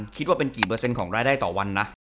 คิดว่าเป็นกี่เปอร์เซ็นต์ของรายได้ต่อวันนะ